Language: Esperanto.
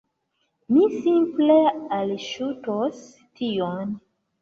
Mi simple alŝutos tion